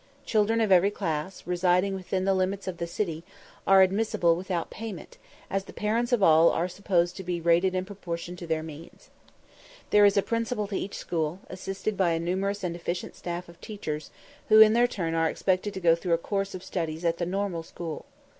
Children of every class, residing within the limits of the city, are admissible without payment, as the parents of all are supposed to be rated in proportion to their means. There is a principal to each school, assisted by a numerous and efficient staff of teachers, who in their turn are expected to go through a course of studies at the Normal School.